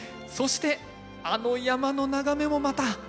そしてあの山の眺めもまた。